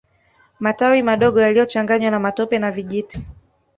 Matawi madogo yaliyochanganywa na matope na vijiti